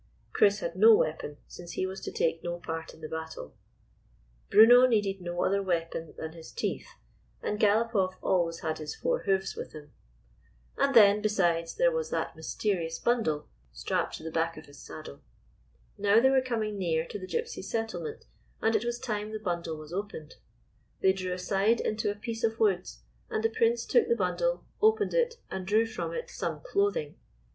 Chris had no weapon, since he was to take no part in the battle. 213 GYPSY, THE TALKING DOG Bruno needed no other weapon than his teeth, and Galopoff always had his four hoofs with him. And then, besides, there was that mysteri ous bundle strapped to the back of his saddle. Now they were coming near to the Gypsies' settlement, and it was time the bundle was opened. They drew aside into a piece of woods, and the Prince took the bundle, opened it and drew from it some clothing.